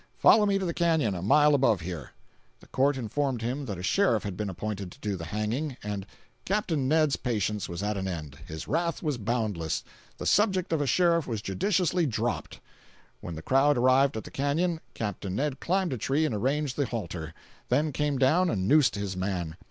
Follow me to the canyon, a mile above here." The court informed him that a sheriff had been appointed to do the hanging, and— Capt. Ned's patience was at an end. His wrath was boundless. The subject of a sheriff was judiciously dropped. When the crowd arrived at the canyon, Capt. Ned climbed a tree and arranged the halter, then came down and noosed his man.